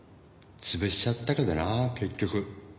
潰しちゃったけどな結局。